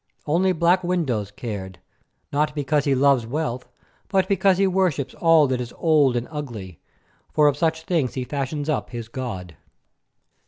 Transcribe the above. Only Black Windows cared, not because he loves wealth, but because he worships all that is old and ugly, for of such things he fashions up his god.